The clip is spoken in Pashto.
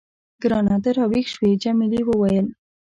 ګرانه، ته راویښ شوې؟ جميلې وويل:.